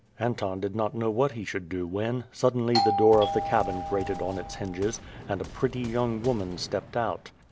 Anton did not know what he should do when, suddenly, the door of the cabin grated on its hinges, and a pretty young woman stepped out.